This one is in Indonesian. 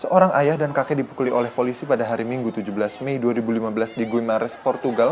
seorang ayah dan kakek dipukuli oleh polisi pada hari minggu tujuh belas mei dua ribu lima belas di guima res portugal